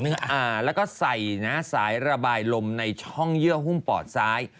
แล้วก็ใส่นะสายระบายลมในช่องเยื่อหุ้มปอดซ้าย